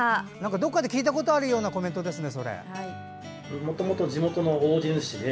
どこかで聞いたことあるようなコメントですね。